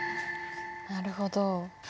なるほど。